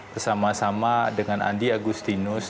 bersama sama dengan andi agustinus